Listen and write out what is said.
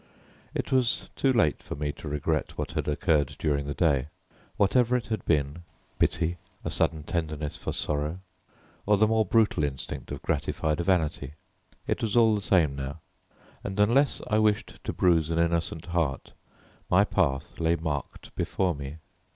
It was too late for me to regret what had occurred during the day. Whatever it had been, pity, a sudden tenderness for sorrow, or the more brutal instinct of gratified vanity, it was all the same now, and unless I wished to bruise an innocent heart, my path lay marked before me.